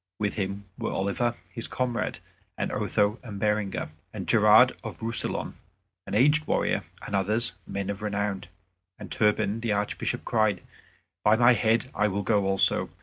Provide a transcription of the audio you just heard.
With him were Oliver, his comrade, and Otho and Berenger, and Gerard of Roussillon, an aged warrior, and others, men of renown. And Turpin the Archbishop cried, "By my head, I will go also."